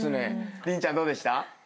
麟ちゃんどうでした？